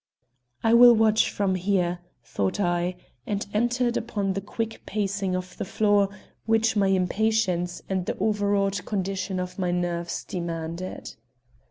"I will watch from here," thought I, and entered upon the quick pacing of the floor which my impatience and the overwrought condition of my nerves demanded.